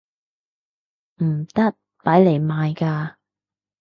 唔得！攞嚟賣㗎